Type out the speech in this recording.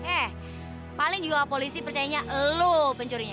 eh paling juga polisi percayanya lo pencurinya